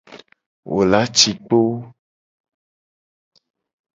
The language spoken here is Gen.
Wo la ci kpo.